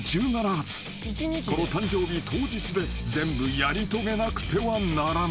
［この誕生日当日で全部やり遂げなくてはならない］